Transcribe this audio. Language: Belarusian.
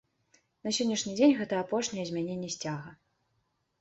На сённяшні дзень гэта апошняе змяненне сцяга.